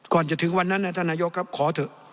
ก่อนจะถึงวันนั้นท่านนายกครับขอเถอะ